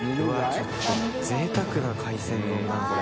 ちょっとぜいたくな海鮮丼だなこれ。